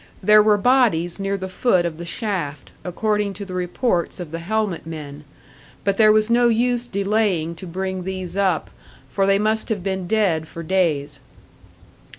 There were bodies near the foot of the shaft, according to the reports of the helmet men, but there was no use delaying to bring these up, for they must have been dead for days.